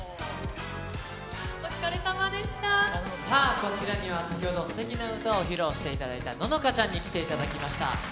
さあ、こちらには、先ほど、すてきな歌を披露していただいた乃々佳ちゃんに来ていただきました。